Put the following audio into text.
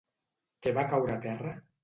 Què va caure a terra?